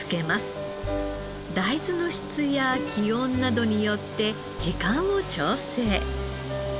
大豆の質や気温などによって時間を調整。